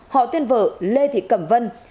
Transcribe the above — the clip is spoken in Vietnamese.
họ tên vợ lê thị cẩm vân